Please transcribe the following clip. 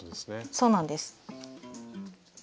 そうなんです。